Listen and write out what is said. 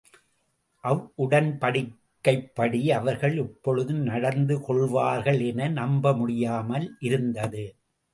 அவ்வுடன்படிக்கைப்படி அவர்கள் இப்பொழுது நடந்து கொள்வார்கள் என நம்ப முடியாமல் இருந்தது.